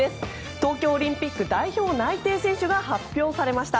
東京オリンピック代表内定選手が発表されました。